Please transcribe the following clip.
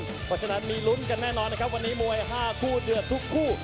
เพราะฉะนั้นมีลุ้นกันแน่นอนนะครับวันนี้มวย๕คู่เดือดทุกคู่